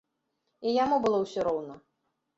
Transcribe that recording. І яму было ўсё роўна.